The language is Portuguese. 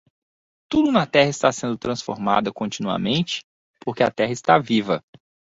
Tudo na terra está sendo transformado continuamente? porque a terra está viva.